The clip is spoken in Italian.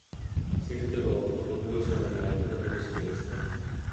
Si ritirò dopo due sole annate da professionista.